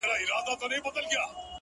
ماته هر لورى معلوم د كندهار دى.!